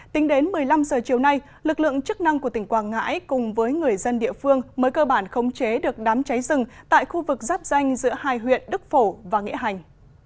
tính đến một mươi năm giờ chiều nay lực lượng chức năng của tỉnh quảng ngãi cùng với người dân địa phương mới cơ bản khống chế được đám cháy rừng tại khu vực giáp danh giữa hai huyện đức phổ và nghĩa hành